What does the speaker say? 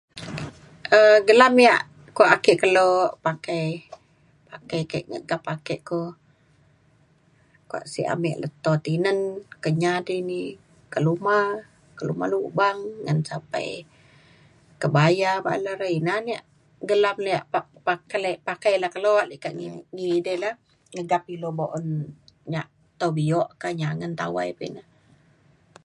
um gelam ia' kua ake kelo pakai pakai ke ngegap ake ko kua sio ame leto tinen Kenyah tini keluma keluma lubang ngan sapai kebaya bala rei ina na ia' gelam lia pak- pak- kele pakai la kelo likat ngelidei le ngegap ilu bu'un nyak tau bio ka nyangen tawai pa ina